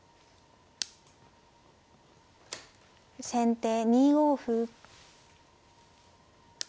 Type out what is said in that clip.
先手２五歩。